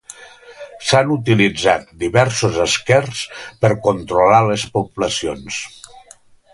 S'han utilitzat diversos esquers per controlar les poblacions.